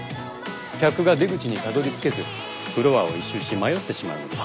客が出口にたどりつけずフロアを一周し迷ってしまうのです。